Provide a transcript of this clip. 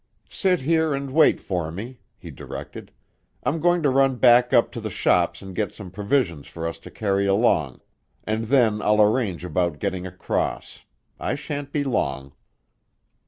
"Sit here and wait for me," he directed. "I'm going to run back up to the shops and get some provisions for us to carry along, and then I'll arrange about getting across. I shan't be long."